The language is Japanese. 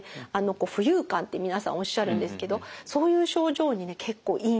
浮遊感って皆さんおっしゃるんですけどそういう症状にね結構いいんですね。